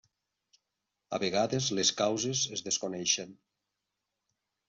A vegades les causes es desconeixen.